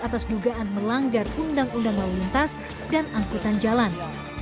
atas dugaan melanggar undang undang lalu lintas dan angkutan jalan